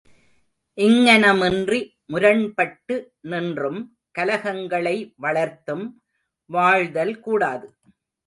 இங்ஙனமின்றி முரண்பட்டு நின்றும், கலகங்களை வளர்த்தும் வாழ்தல் கூடாது.